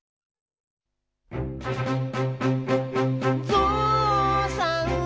「ぞうさんは」